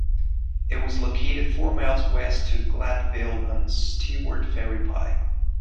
It was located four miles west of Gladeville on Stewart Ferry Pike.